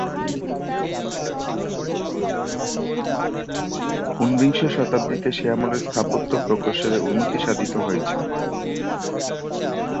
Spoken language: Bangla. ঊনবিংশ শতাব্দীতে সে আমলের স্থাপত্য প্রকৌশলের উন্নতি সাধিত হয়েছিল এবং বিংশ শতাব্দীর মাঝামাঝি সময়ে তা যুক্তরাষ্ট্রে ছড়িয়ে পড়েছিল।